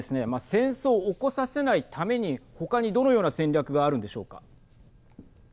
戦争を起こさせないためにほかにどのような戦略があるのでしょうか。